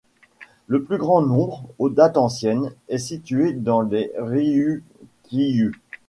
Le plus grand nombre, aux dates anciennes, est situé dans les Ryukyu.